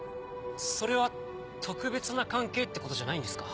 それは特別な関係ってことじゃないんですか？